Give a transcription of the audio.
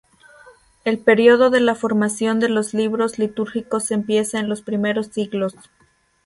El período de la formación de los libros litúrgicos empieza en los primeros siglos.